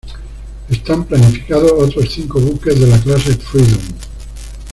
Están planificados otros cinco buques de la clase "Freedom".